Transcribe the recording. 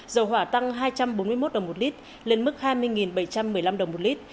dầu hỏa tăng hai trăm bốn mươi một đồng một lít lên mức hai mươi bảy trăm một mươi năm đồng một lít